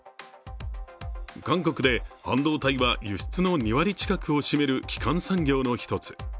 韓国で半導体は輸出の２割近くを占める基幹産業の一つ。